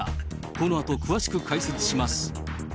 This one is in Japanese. このあと詳しく解説します。